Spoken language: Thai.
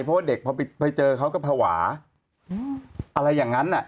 เพราะว่าเด็กพอไปเจอเขาก็ภาวะอะไรอย่างนั้น